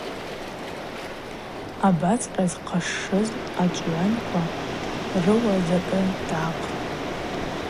Абацкъьа зхъашшыз ачӏвгӏванква рыуа закӏы дгӏахътӏ.